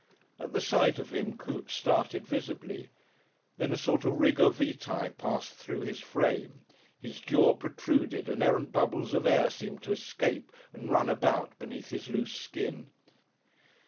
At the sight of him Coote started visibly. Then a sort of rigor vitae passed through his frame, his jaw protruded and errant bubbles of air seemed to escape and run about beneath his loose skin.